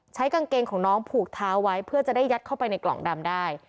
กางเกงของน้องผูกเท้าไว้เพื่อจะได้ยัดเข้าไปในกล่องดำได้